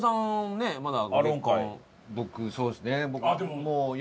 僕そうですね。